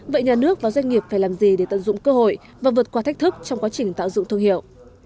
vậy nhà nước và doanh nghiệp phải làm gì để tận dụng cơ hội và vượt qua thách thức trong quá trình tạo dựng thương hiệu